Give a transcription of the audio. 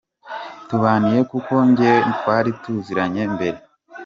tubaniye kuko nijye twari tuziranye mbere.